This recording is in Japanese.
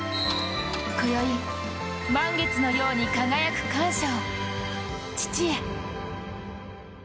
こよい、満月のように輝く感謝を父へ。